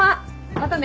またね。